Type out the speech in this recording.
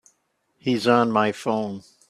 He's on my phone.